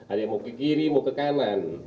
ada yang mau ke kiri mau ke kanan